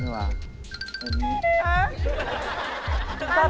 ไม่ว่า